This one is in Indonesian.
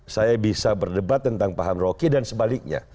saya bisa berdebat tentang paham rocky dan sebaliknya